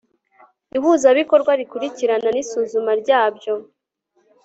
ihuzabikorwa rikurikirana n isuzuma ryabyo